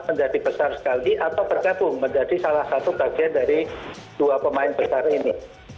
menjadi besar sekali atau bergabung menjadi salah satu bagian dari dua pemain besar ini